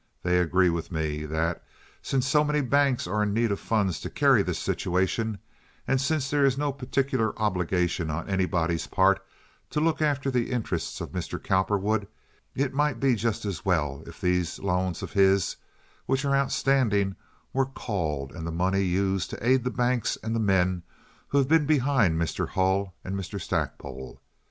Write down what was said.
They agree with me that, since so many banks are in need of funds to carry this situation, and since there is no particular obligation on anybody's part to look after the interests of Mr. Cowperwood, it might be just as well if these loans of his, which are outstanding, were called and the money used to aid the banks and the men who have been behind Mr. Hull and Mr. Stackpole.